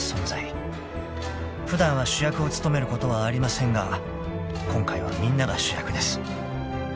［普段は主役を務めることはありませんが今回はみんなが主役です］